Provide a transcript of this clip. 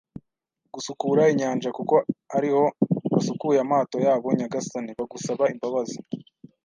gusukura inyanja, kuko ariho basukuye amato yabo, nyagasani, bagusaba imbabazi. ”